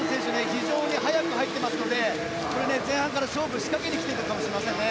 非常に速く入ってますので前半から勝負を仕掛けに来ているかもしれませんね。